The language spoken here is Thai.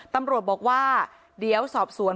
ตำรวจบอกว่าเดี๋ยวสอบสวน